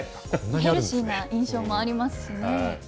ヘルシーな印象もありますしね。